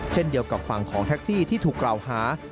เช่นเดียวกับฝั่งของแท็กซี่ที่ถูกกล่าวหา